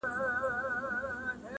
ما یې تنې ته زلمۍ ویني اوبه خور ورکاوه،